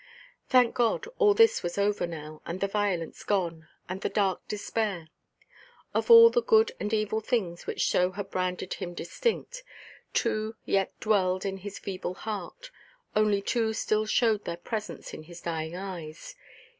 Thank God, all this was over now, and the violence gone, and the dark despair. Of all the good and evil things which so had branded him distinct, two yet dwelled in his feeble heart, only two still showed their presence in his dying eyes.